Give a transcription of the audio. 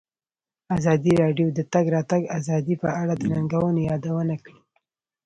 ازادي راډیو د د تګ راتګ ازادي په اړه د ننګونو یادونه کړې.